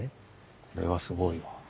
これはすごいわ。